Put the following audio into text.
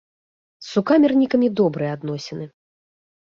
З сукамернікамі добрыя адносіны.